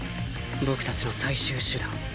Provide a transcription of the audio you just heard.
僕たちの最終手段。